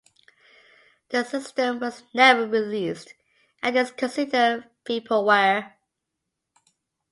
The system was never released and is considered vaporware.